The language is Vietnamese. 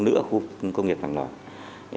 nữa khu công nghiệp toàn loàn